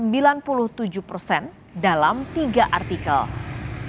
kumba diketahui juga mencatut beberapa nama dosen yang berasal dari universiti malaysia terengganu umt